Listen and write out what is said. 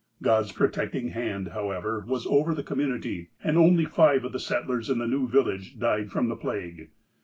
God's protecting hand, however, was over the com munity, and only five of the settlers in the new village died from the plague.